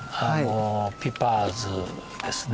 ピパーズですね。